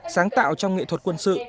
sáng tạo trong nghệ thuật quân sự